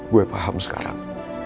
gue paham sekarang